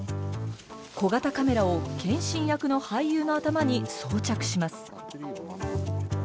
小型カメラを謙信役の俳優の頭に装着します。